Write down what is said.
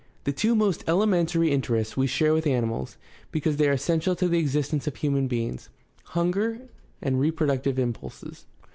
The two most elementary inter ests we share with animals, because they are essential to the existence of human beings — ^hunger and reproductive impulses.